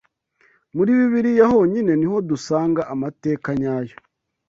Muri Bibiliya honyine ni ho dusanga amateka nyayo